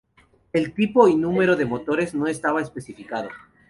El tipo y número de motores no estaba especificado.